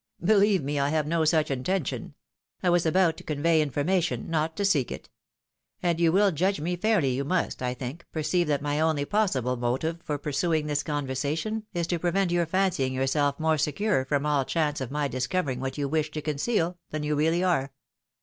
"Beheve me, I have no such intention; I was about to convey information, not to seek it ; and if you will judge me fairly, you must, I tliink, perceive that my only possible motive for pursuing this conversation, is to prevent your fancying yourself more secure from all chance of my discovering what you wish to conceal than you really are.